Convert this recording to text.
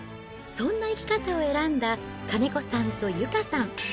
そんな生き方を選んだ金子さんと由佳さん。